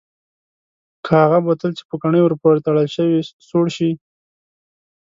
که هغه بوتل چې پوکڼۍ ور پورې تړل شوې سوړ شي؟